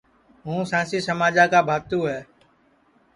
ہُوں سانٚسی سماجا کا بھاتُو ہے